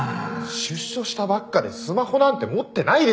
出所したばっかでスマホなんて持ってないですよ！